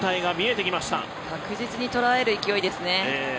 確実に捉える勢いですね。